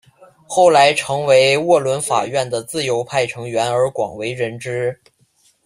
后来成为沃伦法院的自由派成员而广为人知。